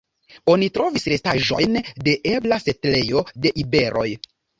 Oni trovis restaĵojn de ebla setlejo de iberoj.